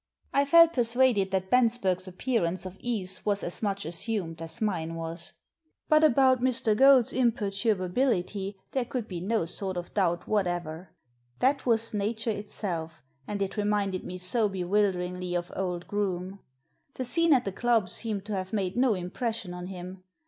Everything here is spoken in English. I felt persuaded that Bensberg's appear ance of ease was as much assumed as mine was. Digitized by VjOOQIC 244 THE SEEN AND THE UNSEEN But about Mr. Goad's imperturbability there could be no sort of doubt whatever. That was nature itself, and it reminded me so bewilderingly of old Groome. The scene at the club seemed to have made no impression on him.